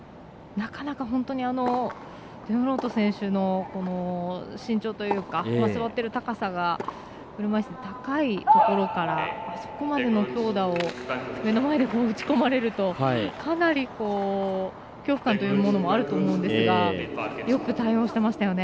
なかなか本当にデフロート選手の身長というか、座ってる高さが車いす、高いところからそこまでの強打のボールを目の前で打ち込まれるとかなり恐怖感というものもあるかと思うんですがよく対応してましたよね。